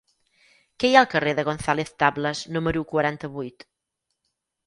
Què hi ha al carrer de González Tablas número quaranta-vuit?